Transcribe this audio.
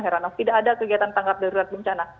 heranov tidak ada kegiatan tanggap darurat bencana